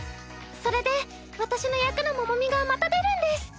それで私の役のモモミがまた出るんです。